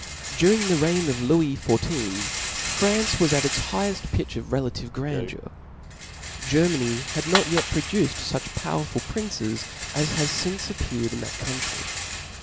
Under the reign of Lewis XIV. France was at its higheft pitch of relative grandeur. Germany had not yet produced fuch powerful princes as have lince appeared in that country.